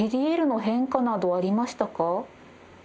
ＡＤＬの変化などありましたか。